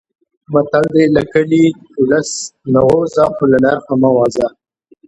متل دی: له کلي، اولس نه ووځه خو له نرخه مه وځه.